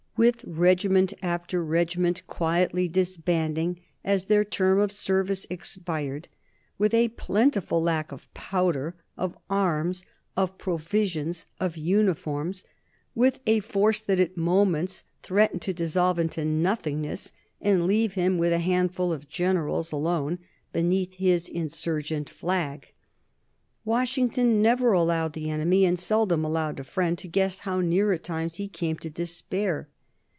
With regiment after regiment quietly disbanding as their term of service expired; with a plentiful lack of powder, of arms, of provisions, of uniforms; with a force that at moments threatened to dissolve into nothingness and leave him with a handful of generals alone beneath his insurgent flag, Washington never allowed the enemy, and seldom allowed a friend, to guess how near at times he came to despair.